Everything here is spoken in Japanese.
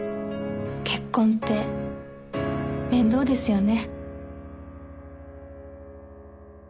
結婚って面倒ですよね。